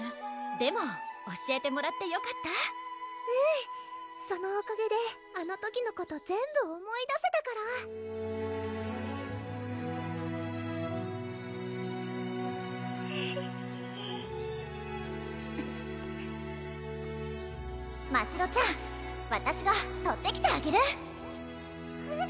でも教えてもらってよかったうんそのおかげであの時のこと全部思い出せたからウゥフフましろちゃんわたしが取ってきてあげるえっ？